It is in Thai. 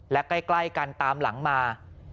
และใกล้กันตามหลังมา